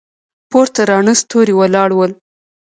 پورته راڼه ستوري ولاړ ول.